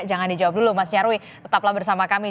jangan dijawab dulu mas nyarwi tetaplah bersama kami